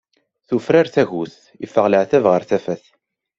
Tufrar tagut, iffeɣ leɛtab ɣeṛ tafat.